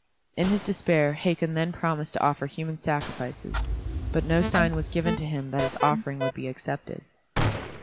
In his despair Hakon then promised to offer human sacrifices, but no sign was given to him that his offering would be accepted.